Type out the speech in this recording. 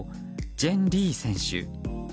ジェン・リー選手。